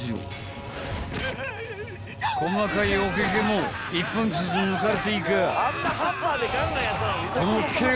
［細かいお毛々も一本ずつ抜かれていく］